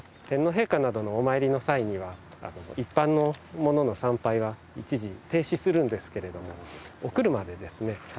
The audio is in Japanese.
天皇陛下などのお参りの際には一般の者の参拝は一時停止するんですけれどもお車でですね